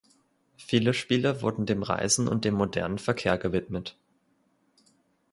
Viele Spiele wurden dem Reisen und dem modernen Verkehr gewidmet.